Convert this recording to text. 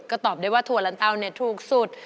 ก็ตอบได้ว่าถั่วลันเตาเนี่ยถูกสุด